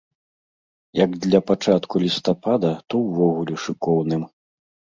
Як для пачатку лістапада, то ўвогуле шыкоўным.